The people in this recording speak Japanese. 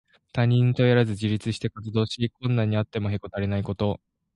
他人に頼らず自立して活動し、困難にあってもへこたれないこと。